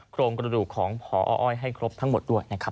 โครงกระดูกของพออ้อยให้ครบทั้งหมดด้วยนะครับ